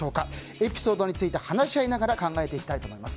エピソードについて話し合いながら考えていきたいと思います。